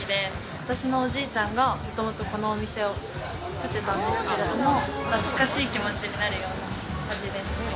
私のおじいちゃんが、もともとこのお店を建てたんですけど、懐かしい気持ちになるような味です。